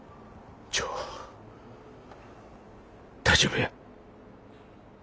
大丈夫や。